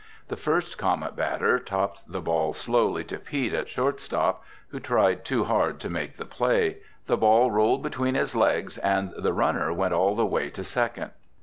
The first Comet batter topped the ball slowly to Pete at shortstop, who tried too hard to make the play. The ball rolled between his legs and the runner went all the way to second.